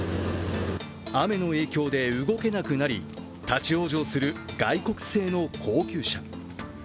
雨の影響で動けなくなり立往生する外国製の高級車。